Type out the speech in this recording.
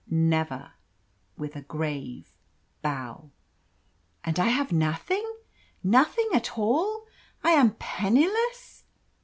"Never" with a grave bow. "And I have nothing nothing at all! I am penniless?"